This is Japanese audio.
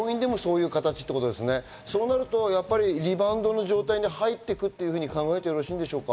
そうなるとリバウンドの状態に入っていくと考えてよろしいですか？